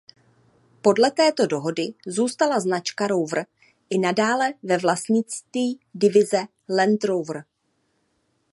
Podle této dohody zůstala značka Rover i nadále ve vlastnictví divize Land Rover.